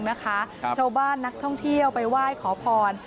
ชาวบ้านนักท่องเที่ยวไปไหว้ขอพร